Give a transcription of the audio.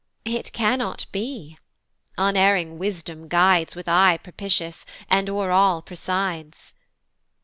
It cannot be unerring Wisdom guides With eye propitious, and o'er all presides.